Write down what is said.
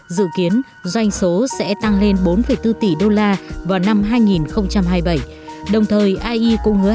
dự kiến doanh số sẽ tăng lên bốn bốn tỷ đô la vào năm hai nghìn hai mươi bảy đồng thời ai cũng hứa hẹn sẽ mang tới những cơ hội và khả năng mới cho ngành thời trang